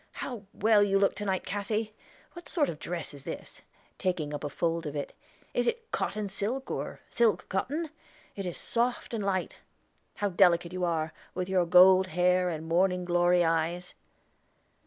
How well you look to night, Cassy! What sort of dress is this?" taking up a fold of it. "Is it cotton silk, or silk cotton? It is soft and light. How delicate you are, with your gold hair and morning glory eyes!"